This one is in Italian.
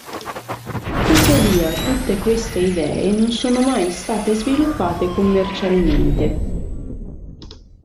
Tuttavia tutte queste idee non sono mai state sviluppate commercialmente.